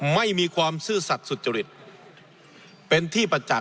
ไม่มีความซื่อสัตว์สุจริต